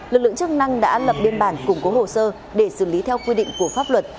lực lượng chức năng đã lập biên bản củng cố hồ sơ để xử lý theo quy định của pháp luật